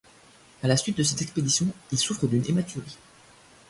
À la suite de cette expédition, il souffre d'une hématurie.